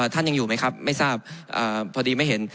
ท่านยังอยู่ไหมครับไม่ทราบพอดีไม่เห็น